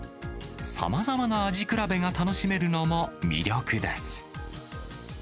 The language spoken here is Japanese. さまざまな味比べが楽しめるのも魅力です。